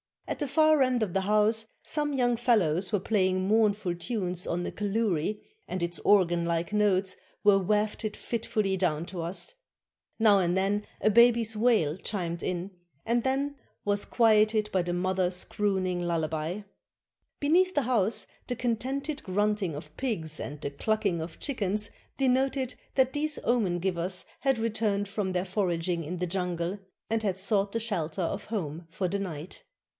At the far end of the house some young fellows were playing mournful tunes on a kaluri, and its organ like notes were wafted fitfully down to us; now and then a baby's wail chimed in, and then was quieted by the mother's crooning lullaby. Beneath the 564 A VISIT TO A HEAD HUNTER OF BORNEO house, the contented grunting of pigs and the clucking of chickens denoted that these omen givers had returned from their foraging in the jungle, and had sought the shelter of home for the night.